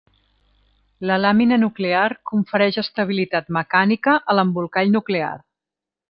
La làmina nuclear confereix estabilitat mecànica a l'embolcall nuclear.